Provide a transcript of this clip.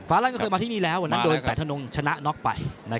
ลั่นก็เคยมาที่นี่แล้ววันนั้นโดนสายธนงชนะน็อกไป